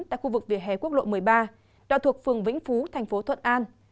tại khu vực vỉa hè quốc lộ một mươi ba đoạn thuộc phường vĩnh phú thành phố thuận an